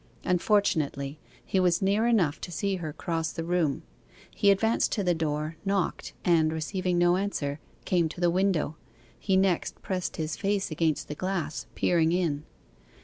Unfortunately he was near enough to see her cross the room. He advanced to the door, knocked, and, receiving no answer, came to the window; he next pressed his face against the glass, peering in.